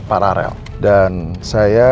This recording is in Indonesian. paralel dan saya